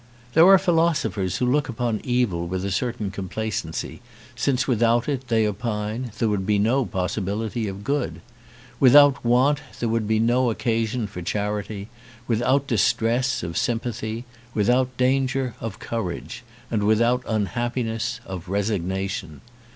There are philosophers who look upon evil with a certain complacency, since without it, they opine, there would be no possibility of good. Without want there would be no occasion for char ity, without distress of sympathy i without danger of courage, and without unhappiness of resigna tion.